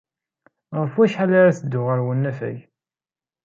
Ɣef wacḥal ara teddu ɣer unafag?